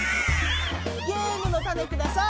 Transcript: ゲームのタネください。